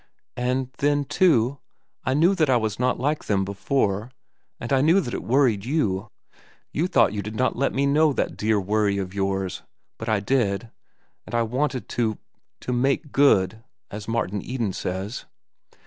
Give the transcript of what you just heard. And, then, too, I knew that I was not like them before, and I knew that it worried you. You thought you did not let me know that dear worry of yours, but I did, and I wanted to—'to make good,' as Martin Eden says."